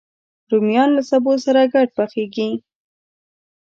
رومیان له سبو سره ګډ پخېږي